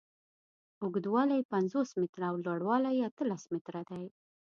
اوږدوالی یې پنځوس متره او لوړوالی یې اتلس متره دی.